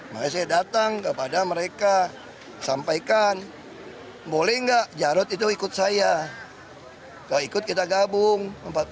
makanya saya datang kepada mereka sampaikan boleh nggak jarod itu ikut saya kalau ikut kita gabung